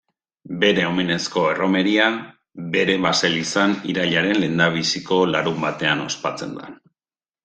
Bere omenezko erromeria bere baselizan irailaren lehendabiziko larunbatean ospatzen da.